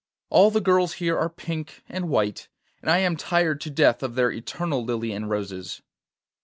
All the girls here are pink and white, and I am tired to death of their eternal lilie and roses.